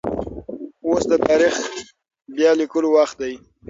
اوس د تاريخ بيا ليکلو وخت دی.